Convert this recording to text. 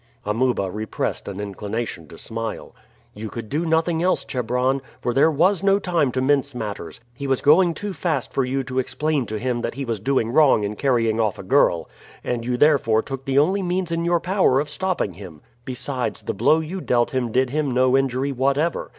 Amuba repressed an inclination to smile. "You could do nothing else, Chebron, for there was no time to mince matters. He was going too fast for you to explain to him that he was doing wrong in carrying off a girl, and you therefore took the only means in your power of stopping him; besides, the blow you dealt him did him no injury whatever.